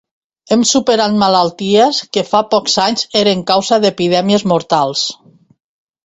Hem superat malalties que fa pocs anys eren causa d’epidèmies mortals.